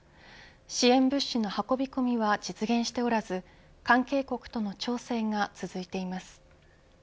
支援物資の運び込みは実現しておらず関係国との調整が続いています。